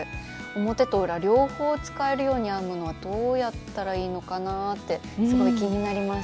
表と裏両方使えるように編むのはどうやったらいいのかなってすごい気になります。